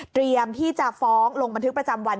เตรียมที่จะฟ้องลงบันทึกประจำวัน